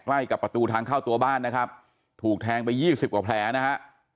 ใกล้กับประตูทางเข้าตัวบ้านนะครับถูกแทงไปยี่สิบกว่าแผลนะฮะ